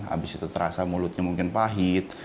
habis itu terasa mulutnya mungkin pahit